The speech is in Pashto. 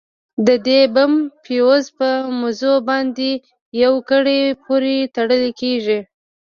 د دې بم فيوز په مزو باندې يوې ګړۍ پورې تړل کېږي.